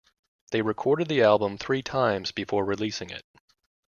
They recorded the album three times before releasing it.